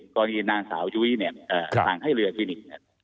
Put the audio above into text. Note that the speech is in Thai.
กรณีนางสาวชุวิตเนี่ยอ่าทางให้เรือฟินิกส์เนี่ย